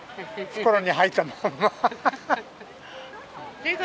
袋に入ったまま。